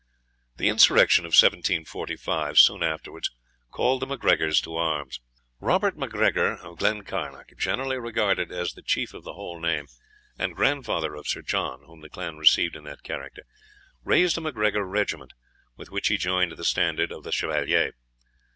The insurrection of 1745 soon afterwards called the MacGregors to arms. Robert MacGregor of Glencarnoch, generally regarded as the chief of the whole name, and grandfather of Sir John, whom the clan received in that character, raised a MacGregor regiment, with which he joined the standard of the Chevalier.